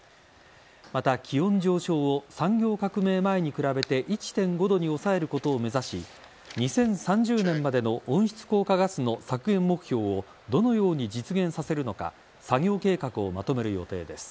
また、気温上昇を産業革命前に比べて１．５度に抑えることを目指し２０３０年までの温室効果ガスの削減目標をどのように実現させるのか作業計画をまとめる予定です。